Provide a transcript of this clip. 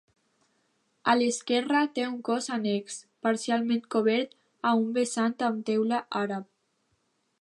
A l'esquerra té un cos annex, parcialment cobert a un vessant amb teula àrab.